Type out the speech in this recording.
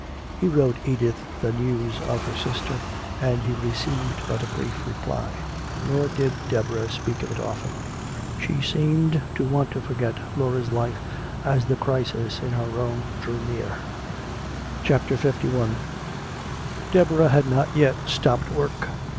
He wrote Edith the news of her sister, and he received but a brief reply. Nor did Deborah speak of it often. She seemed to want to forget Laura's life as the crisis in her own drew near. CHAPTER XLI Deborah had not yet stopped work.